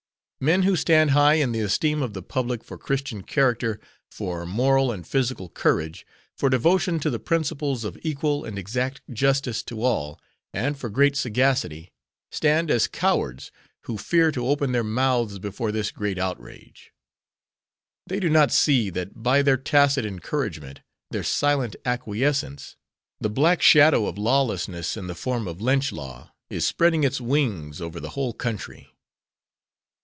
Men who stand high in the esteem of the public for Christian character, for moral and physical courage, for devotion to the principles of equal and exact justice to all, and for great sagacity, stand as cowards who fear to open their mouths before this great outrage. They do not see that by their tacit encouragement, their silent acquiescence, the black shadow of lawlessness in the form of lynch law is spreading its wings over the whole country.